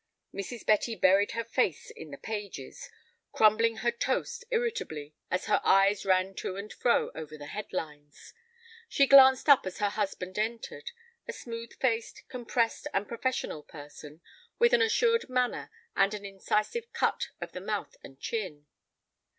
Mrs. Betty buried her face in the pages, crumbling her toast irritably as her eyes ran to and fro over the head lines. She glanced up as her husband entered, a smooth faced, compressed, and professional person, with an assured manner and an incisive cut of the mouth and chin.